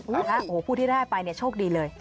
โอ้โหผู้ที่ได้ไปเนี่ยโชคดีเลย